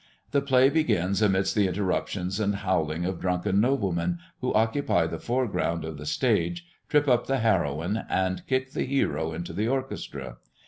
The play begins amidst the interruptions and howling of drunken noblemen who occupy the foreground of the stage, trip up the heroine, and kick the hero into the orchestra.